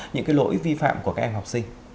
những cái lỗi vi phạm của các em học sinh